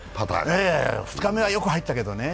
２日目はよく入ったけどね。